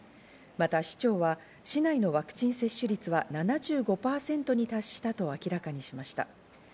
また、市長は市内のワクチン接種率は７５％に達したと明らかにしました。